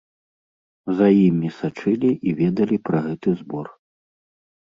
За імі сачылі і ведалі пра гэты збор.